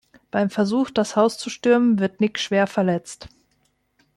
Beim Versuch, das Haus zu stürmen, wird Nick schwer verletzt.